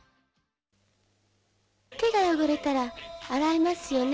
手が汚れたら洗いますよね。